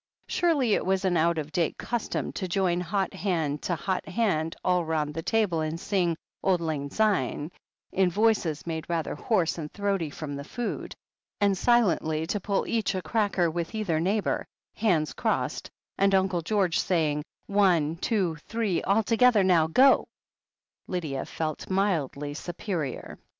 Surely it was an out of date custom to join hot hand to hot hand all round the table, and sing, "Auld Lang 198 THE HEEL OF ACHILLES Syne" in voices made rather hoarse and throaty from food, and silently to pull each a cracker with either neighbour, hands crossed, and Uncle George saying, "One — ^two — ^three — all together, now — GoT Lydia felt mildly superior.